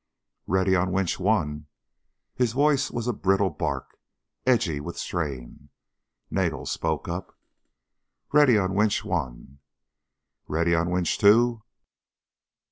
"Ready on winch one?" His voice was a brittle bark, edgy with strain. Nagel spoke up. "Ready on winch one." "Ready on winch two?"